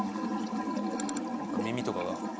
耳とかが。